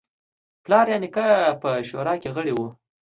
پلار یا نیکه په شورا کې غړی و.